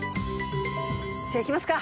じゃあいきますか。